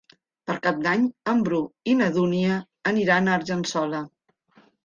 Per Cap d'Any en Bru i na Dúnia aniran a Argençola.